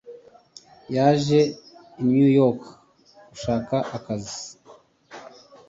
Yaje i New York gushaka akazi.